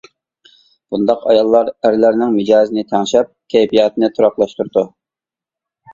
بۇنداق ئاياللار ئەرلەرنىڭ مىجەزىنى تەڭشەپ، كەيپىياتنى تۇراقلاشتۇرىدۇ.